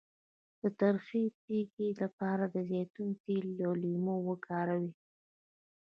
د تریخي د تیږې لپاره د زیتون تېل او لیمو وکاروئ